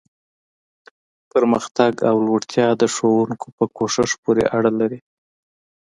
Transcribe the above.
پرمختګ او لوړتیا د ښوونکو په کوښښ پورې اړه لري.